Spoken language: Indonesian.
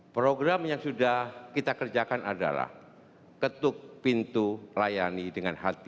program yang sudah kita kerjakan adalah ketuk pintu layani dengan hati